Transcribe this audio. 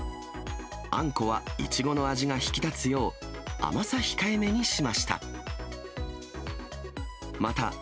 あんこはイチゴの味が引き立つよう、甘さ控えめにしました。